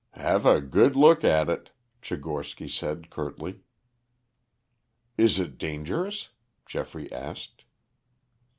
"Have a good look at it," Tchigorsky said curtly. "Is it dangerous?" Geoffrey asked.